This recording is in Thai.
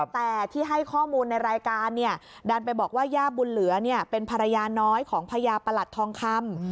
แต่ที่ให้ข้อมูลในรายการเนี่ยดันไปบอกว่าย่าบุญเหลือเป็นภรรยาน้อยของพญาประหลัดทองคำ